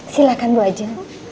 silahkan bu aja